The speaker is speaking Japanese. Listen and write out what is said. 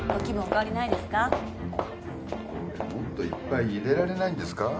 これもっといっぱい入れられないんですか？